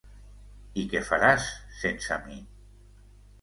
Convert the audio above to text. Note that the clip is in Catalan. I què faràs sense mi?